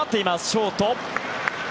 ショート。